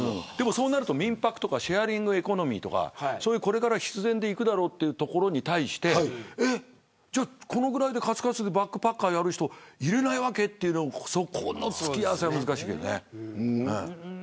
そうなると民泊とかシェアリングエコノミーとかこれから必然でいくだろうというところに対してかつかつでバックパッカーやる人入れないわけというつきあわせが難しい。